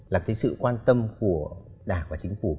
là cái sự quan tâm của đảng và chính phủ